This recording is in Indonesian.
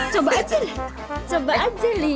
coba aja lian coba aja lian